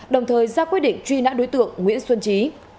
đồng thời ra quyết định truy nã đối tượng nguyễn xuân trí